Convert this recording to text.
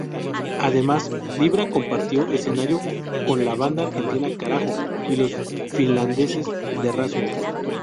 Además, Libra compartió escenario con la banda argentina Carajo y los finlandeses The Rasmus.